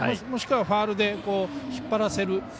もしくはファウルで引っ張らせる。